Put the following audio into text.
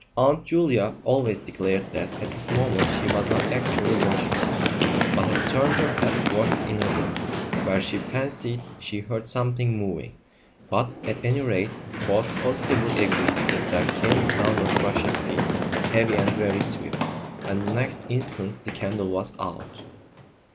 Aunt Julia always declared that at this moment she was not actually watching him, but had turned her head towards the inner room, where she fancied she heard something moving; but, at any rate, both positively agreed that there came a sound of rushing feet, heavy and very swift and the next instant the candle was out!